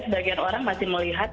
sebagian orang masih melihat